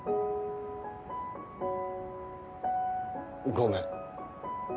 ごめん。